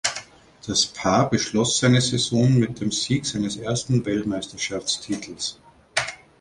Das Paar beschloss seine Saison mit dem Sieg seines ersten Weltmeisterschaftstitels.